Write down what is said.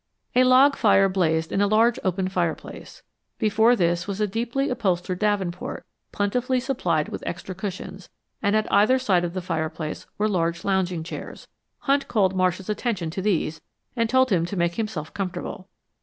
A log fire blazed in a large open fireplace. Before this was a deeply upholstered davenport plentifully supplied with extra cushions, and at either side of the fireplace were large lounging chairs. Hunt called Marsh's attention to these and told him to make himself comfortable.